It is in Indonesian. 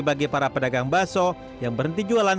bagi para pedagang bakso yang berhenti jualan